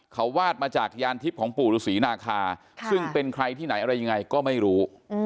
เขาวาดมาจากยานทิพย์ของปู่ฤษีนาคาซึ่งเป็นใครที่ไหนอะไรยังไงก็ไม่รู้